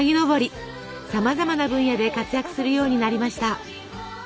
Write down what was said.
さまざまな分野で活躍するようになりました。